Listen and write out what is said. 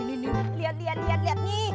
nih nih nih liat liat liat liat nih